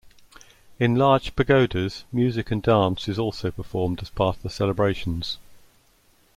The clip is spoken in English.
In large pagodas music and dance is also performed as part of the celebrations.